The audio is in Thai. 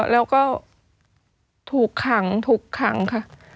แล้วก็ถูกขังถูกขังค่ะ